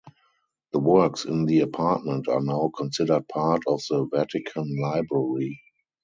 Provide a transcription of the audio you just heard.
The works in the apartment are now considered part of the Vatican Library.